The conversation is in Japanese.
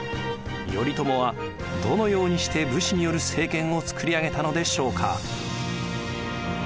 頼朝はどのようにして武士による政権をつくり上げたのでしょうか。